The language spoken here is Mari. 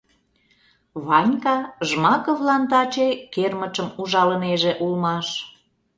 Ванька Жмаковлан таче кермычым ужалынеже улмаш...